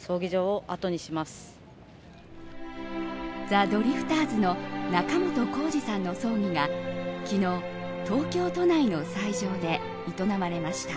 ザ・ドリフターズの仲本工事さんの葬儀が昨日、東京都内の斎場で営まれました。